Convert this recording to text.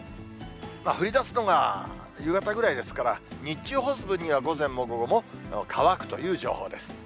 降りだすのが夕方ぐらいですから、日中、干す分には午前も午後も乾くという情報です。